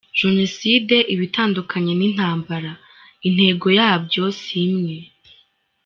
Jenoside iba itandukanye n’intambara ; intego ya byo si imwe :.